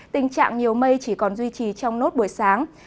tình trạng nhiều mây chỉ còn duy trì trong nốt buổi sáng